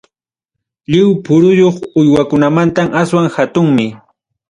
Lliw puruyuq uywakunamantam aswan hatunmi.